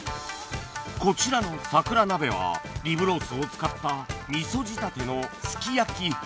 こちらの桜鍋はリブロースを使ったみそ仕立てのすき焼き風